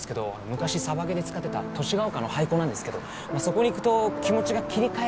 昔サバゲーで使ってた寿ヶ丘の廃校なんですけどそこに行くと気持ちが切り替えられるっていいますか。